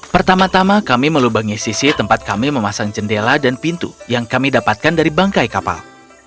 pertama tama kami melubangi sisi tempat kami memasang jendela dan pintu yang kami dapatkan dari bangkai kapal